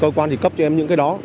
cơ quan thì cấp cho em những cái đó